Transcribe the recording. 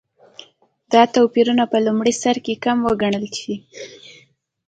دا توپیرونه په لومړي سرکې کم وګڼل شي.